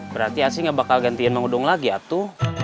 berarti asing nggak bakal gantikan mengudung lagi atu